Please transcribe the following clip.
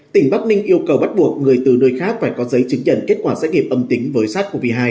tỉnh bắc ninh yêu cầu bắt buộc người từ nơi khác phải có giấy chứng nhận kết quả xét nghiệm âm tính với sars cov hai